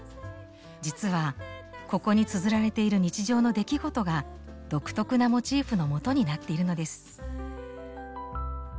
実はここにつづられている日常の出来事が独特なモチーフのもとになっているのです。